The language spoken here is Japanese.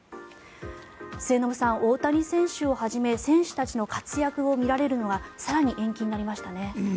末延さん、大谷選手をはじめ選手たちの活躍を見られるのは更に延期になりましたね。